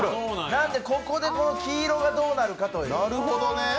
なんでここで黄色がどうなるかという。